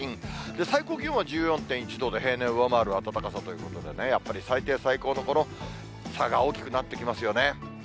最高気温は１４．１度で平年を上回る暖かさということでね、やっぱり最低、最高のこの差が大きくなってきますよね。